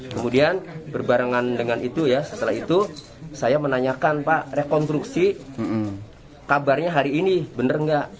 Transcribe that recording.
kemudian berbarengan dengan itu ya setelah itu saya menanyakan pak rekonstruksi kabarnya hari ini benar nggak